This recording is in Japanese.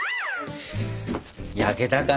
焼けたかな。